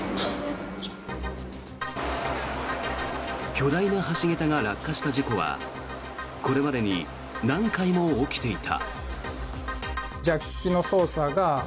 巨大な橋桁が落下した事故はこれまでに何回も起きていた。